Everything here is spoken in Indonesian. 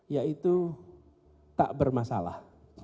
yaitu tak bermasalah